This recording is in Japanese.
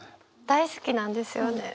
大好きなんですよね。